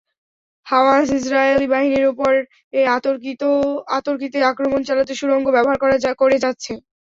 Hamas ইসরায়েলি বাহিনীর ওপরে অতর্কিতে আক্রমণ চালাতে সুড়ঙ্গ ব্যবহার করে যাচ্ছে।